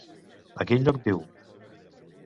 A quin lloc viu?